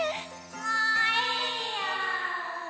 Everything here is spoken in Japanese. もういいよ。